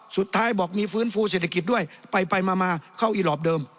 สุดท้ายบอกมีฟื้นฟูเศรษฐกิจด้วยไปมาเข้าอีหลอปเดิม